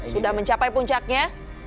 sudah mencapai puncaknya